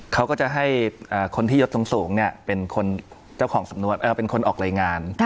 เขาก็จะให้คนที่ยดสูงเป็นเจ้าของสำนวนเป็นคนออกรายงาน